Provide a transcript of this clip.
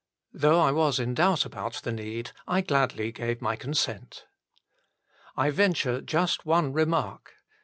Though I was in doubt about the need, I gladly gave my consent. I venture just one remark.